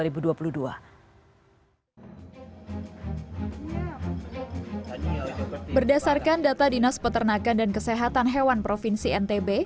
berdasarkan data dinas peternakan dan kesehatan hewan provinsi ntb